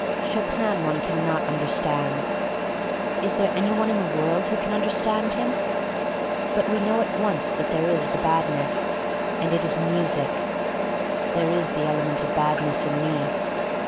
Chopin one can not understand. Is there any one in the world who can understand him? But we know at once that there is the Badness — and it is music! There is the element of Badness in me.